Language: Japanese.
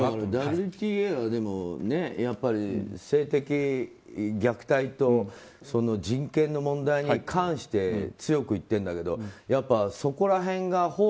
ＷＴＡが性的虐待と人権の問題に関して強く言ってるんだけどそこら辺がホウ・